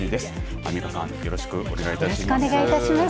アンミカさんよろしくお願いいたします。